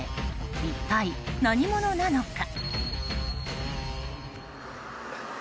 一体、何者なのか。